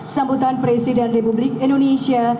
sambutan presiden republik indonesia